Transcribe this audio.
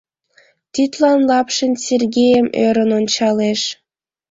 Тидлан Лапшин Сергейым ӧрын ончалеш.